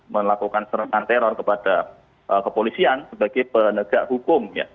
melakukan serangan teror kepada kepolisian sebagai penegak hukum